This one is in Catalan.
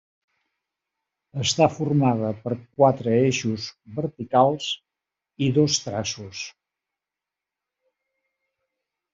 Està formada per quatre eixos verticals i dos traços.